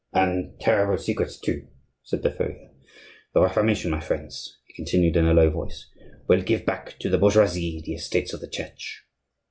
"And terrible secrets, too!" said the furrier. "The Reformation, my friends," he continued in a low voice, "will give back to the bourgeoisie the estates of the Church.